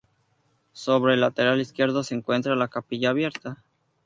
Sobre el lateral izquierdo se encuentra la capilla abierta.